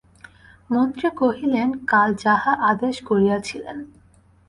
মন্ত্রী কহিলেন, কাল যাহা আদেশ করিয়াছিলেন।